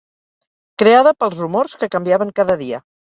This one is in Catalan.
Creada pels rumors que canviaven cada dia